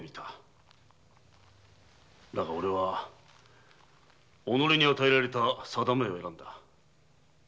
だが俺は己に与えられた定めを選んだ。